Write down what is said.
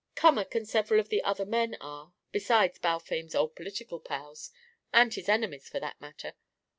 "Cummack and several of the other men are, besides Balfame's old political pals and his enemies, for that matter.